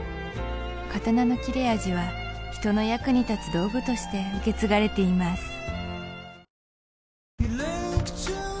刀の切れ味は人の役に立つ道具として受け継がれています